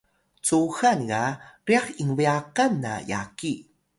cuxan ga ryax inbyaqan na yaki